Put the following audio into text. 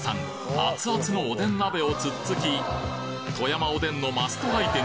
アツアツのおでん鍋を突っつき富山おでんのマストアイテム